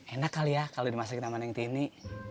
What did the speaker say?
enak kali ya kalau dimasakin sama neng tini